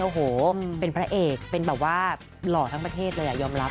โอ้โหเป็นพระเอกเป็นแบบว่าหล่อทั้งประเทศเลยยอมรับ